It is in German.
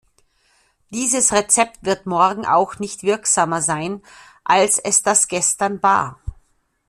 Dieses Rezept wird morgen auch nicht wirksamer sein als es das gestern war.